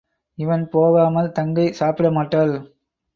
இவன் போகாமல் தங்கை சாப்பிடமாட்டாள்.